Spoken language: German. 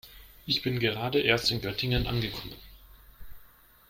Ich bin gerade erst in Göttingen angekommen